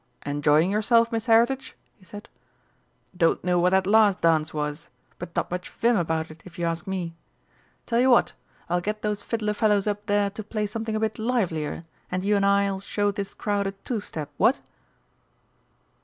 "Enjoying yourself, Miss Heritage?" he said. "Don't know what that last dance was but not much 'vim' about it, if you ask me. Tell you what I'll get those fiddler fellows up there to play something a bit livelier, and you and I'll show this crowd a two step, what?"